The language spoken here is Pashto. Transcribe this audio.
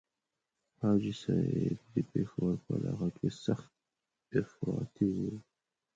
حاجي صاحب د پېښور په علاقه کې سخت افراطي وو.